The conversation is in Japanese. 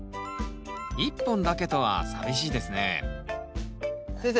１本だけとは寂しいですね先生